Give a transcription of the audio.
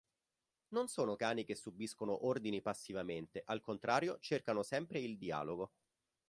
Non sono cani che subiscono ordini passivamente, al contrario cercano sempre il "dialogo".